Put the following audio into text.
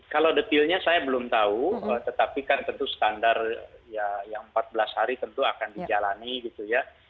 kalau detailnya saya belum tahu tetapi kan tentu standar ya yang empat belas hari tentu akan dijalani gitu ya